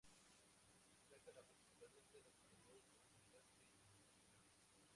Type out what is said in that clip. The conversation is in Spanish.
Destaca la participación de las autoridades políticas e institucionales.